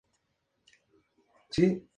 Takumi Sasaki